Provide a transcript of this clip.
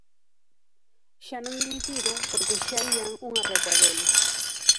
Xa non dimitiron porque xa ían unha recua deles.